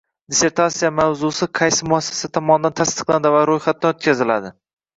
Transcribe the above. Dissertatsiya mavzui qaysi muassasa tomonidan tasdiqlanadi va ro‘yxatdan o‘tkaziladi?